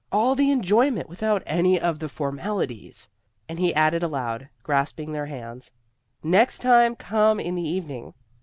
"All the enjoyment without any of the formalities!" And he added aloud, grasping their hands, "Next time, come in the evening.